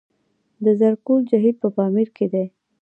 د زرکول جهیل په پامیر کې دی